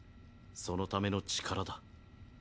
そのための力だ。